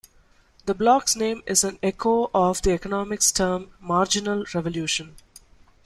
The blog's name is an echo of the economics term "Marginal Revolution".